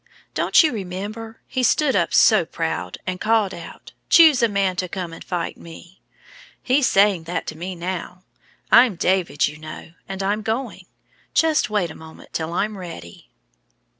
"Don't you remember? He stood up so proud, and called out: 'Choose a man to come and fight me.' He's saying that to me now. I'm David, you know, and I'm going. Just wait a moment till I'm ready."